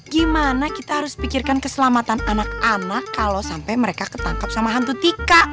gimana kita harus pikirkan keselamatan anak anak kalau sampai mereka ketangkap sama hantu tika